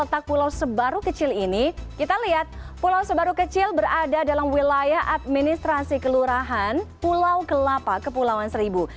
kota pulau sebaru kecil ini kita lihat pulau sebaru kecil berada dalam wilayah administrasi kelurahan pulau kelapa kepulauan seribu